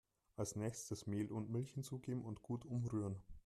Als nächstes Mehl und Milch hinzugeben und gut umrühren.